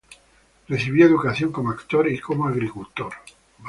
Recibió educación como actor y como agricultor.